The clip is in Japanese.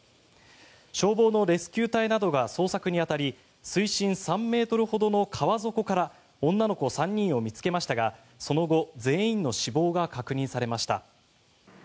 消防のレスキュー隊などが捜索に当たり水深３ｍほどの川底から女の子３人を見つけましたがその後、全員の死亡が確認されました。